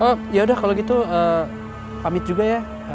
oh ya udah kalau gitu pamit juga ya